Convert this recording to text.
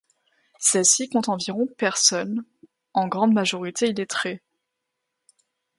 Celle-ci compte environ personnes, en grande majorité illettrées.